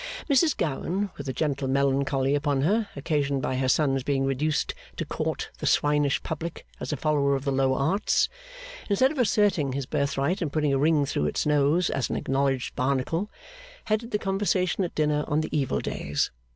Mrs Gowan with a gentle melancholy upon her, occasioned by her son's being reduced to court the swinish public as a follower of the low Arts, instead of asserting his birthright and putting a ring through its nose as an acknowledged Barnacle, headed the conversation at dinner on the evil days.